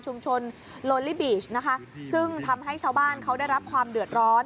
ชุมชนโลลี่บีชซึ่งทำให้ชาวบ้านเขาได้รับความเดือดร้อน